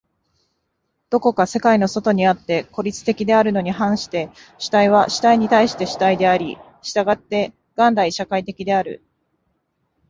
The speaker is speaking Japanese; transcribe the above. どこか世界の外にあって孤立的であるに反して、主体は主体に対して主体であり、従って元来社会的である。